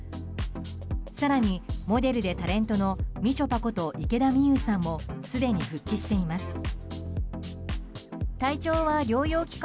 更にモデルでタレントのみちょぱこと池田美優さんもすでに復帰しています。